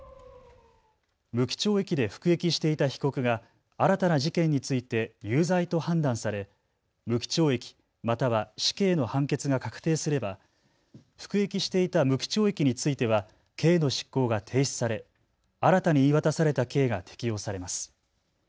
無期懲役で服役していた被告が新たな事件について有罪と判断され無期懲役、または死刑の判決が確定すれば服役していた無期懲役については刑の執行が停止され新たに言い渡された刑が適用されます。